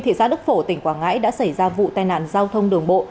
thị xã đức phổ tỉnh quảng ngãi đã xảy ra vụ tai nạn giao thông đường bộ